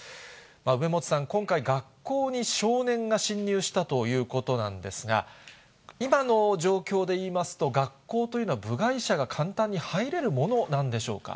梅本さん、今回、学校に少年が侵入したということなんですが、今の状況でいいますと、学校というのは部外者が簡単に入れるものなんでしょうか。